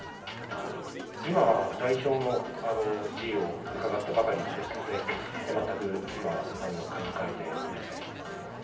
今は代表の辞意を伺ったばかりですので、全く今は何も考えておりません。